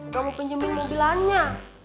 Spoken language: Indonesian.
kamu pinjemin mobilannya